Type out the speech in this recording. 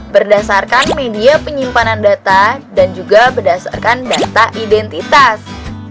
berdasarkan media penyimpanan data dan juga berdasarkan data identitas